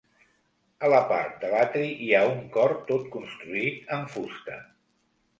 A la part de l'atri hi ha un cor tot construït en fusta.